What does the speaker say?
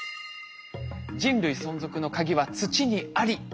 「人類存続のカギは土にあり！」。